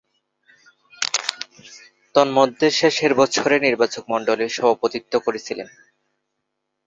তন্মধ্যে শেষের বছরে নির্বাচকমণ্ডলীর সভাপতিত্ব করেছিলেন।